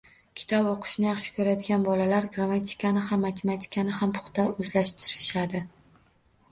Kitob o‘qishni yaxshi ko‘radigan bolalar grammatikani ham, matematikani ham puxta o‘zlashtirishadi.